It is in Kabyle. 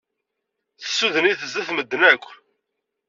Tessuden-it sdat medden akk.